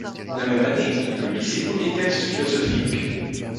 La même année, il publie ses premiers textes philosophiques.